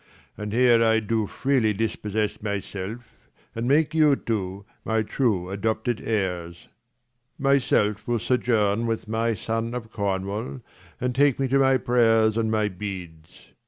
And here I do freely dispossess my self, And make you two my true adopted heirs : 85 My self will sojourn with my son of Cornwall, And take me to my prayers and my beads.